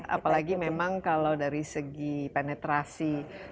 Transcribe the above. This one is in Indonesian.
apalagi memang kalau dari segi penetrasi